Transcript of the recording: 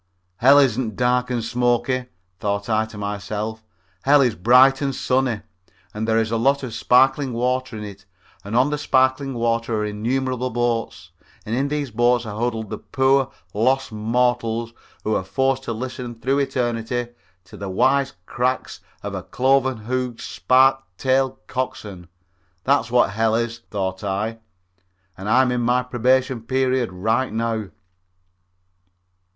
"Hell isn't dark and smoky," thought I to myself; "hell is bright and sunny, and there is lots of sparkling water in it and on the sparkling water are innumerable boats and in these boats are huddled the poor lost mortals who are forced to listen through eternity to the wise cracks of cloven hoofed, spike tailed coxswains. That's what hell is," thought I, "and I am in my probation period right now."